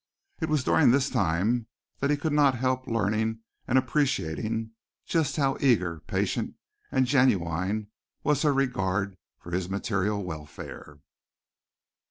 It was during this time that he could not help learning and appreciating just how eager, patient and genuine was her regard for his material welfare.